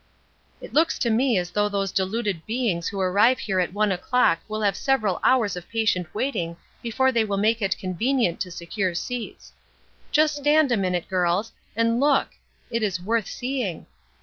"It looks to me as though those deluded beings who arrive here at one o'clock will have several hours of patient waiting before they will make it convenient to secure seats. Just stand a minute, girls, and look! It is worth seeing.